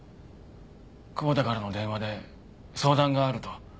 窪田からの電話で相談があると。